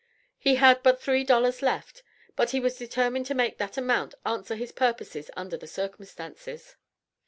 He had but three dollars left, but he was determined to make that amount answer his purposes under the circumstances.